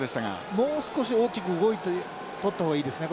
もう少し大きく動いてとったほうがいいですね。